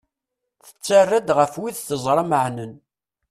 Tettara-d ɣef wid teẓra meɛnen.